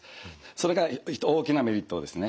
それが大きなメリットですね。